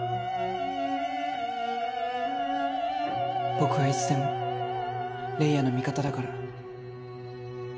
僕はいつでも玲矢の味方だから。